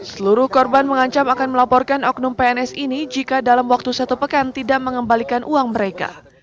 seluruh korban mengancam akan melaporkan oknum pns ini jika dalam waktu satu pekan tidak mengembalikan uang mereka